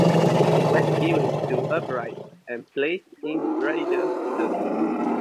It was given to a bride and placed in the bridal suite.